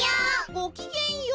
ごきげんよう。